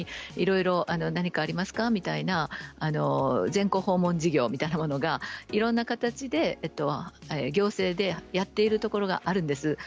と何かありますかと全校訪問事業みたいなものがいろんな形で行政でやっているところがあるんです。